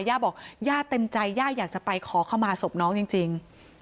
ย่าบอกย่าเต็มใจย่าอยากจะไปขอเข้ามาศพน้องจริง